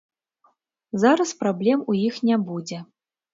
Зараз праблем у іх не будзе.